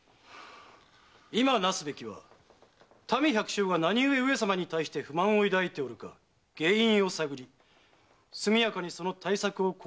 今なすべきは民百姓が何故上様に対して不満を抱いておるか原因を探り速やかにその対策を講ずることと存ずる。